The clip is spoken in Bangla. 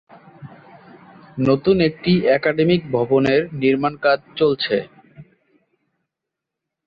নতুন একটি একাডেমিক ভবনের নির্মাণ কাজ চলছে।